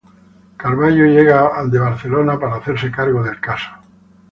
Carvalho llega de Barcelona para hacerse cargo del caso.